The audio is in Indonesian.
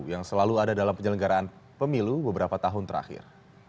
yang selalu ada dalam penyelenggaraan pemilu beberapa tahun terakhir